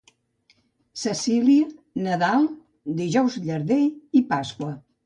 Cecília, Nadal, Dijous llarder i Pasqua